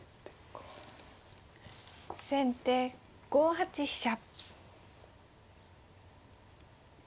先手５八飛車。